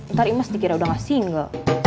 ntar imas dikira udah gak single